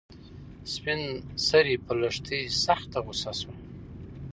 سپین سرې په لښتې سخته غوسه شوه.